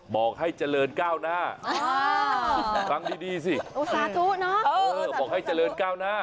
บอกให้เจริญก้าวหน้าฟังดีดีสิสาธุเนอะเออบอกให้เจริญก้าวหน้า